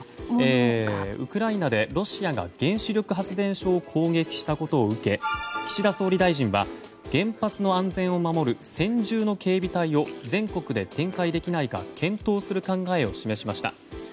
ウクライナでロシアが原子力発電を攻撃したことを受け岸田総理大臣は原発の安全を守る専従の警備隊を全国で展開できないか検討する考えを示しました。